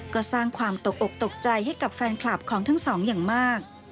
ก็สร้างความตกอกตกใจให้กับแฟนคลับของทั้งสองอย่างมาก